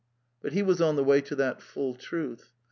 But he was on the way to that full truth.